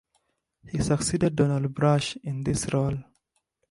He succeeded Donald Brash in this role.